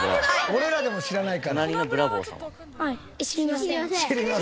俺らでも知らないから。